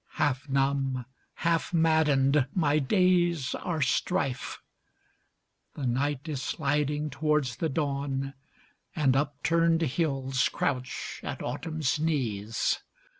Half numb, half maddened, my days are strife. The night is sliding towards the dawn, And upturned hills crouch at autumn's knees.